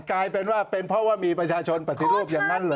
กลายเป็นว่าเป็นเพราะว่ามีประชาชนปฏิรูปอย่างนั้นเหรอ